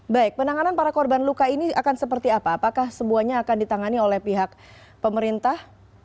baik penanganan para korban luka ini akan seperti apa apakah semuanya akan ditangani oleh pihak pemerintah